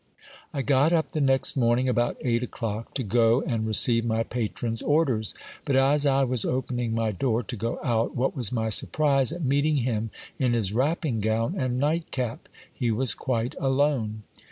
I got up the next morning about eight o'clock to go and receive my patron's orders; but as I was opening my door to go out, what was my surprise at meeting him in his wrapping gown and night cap. He was quite alone.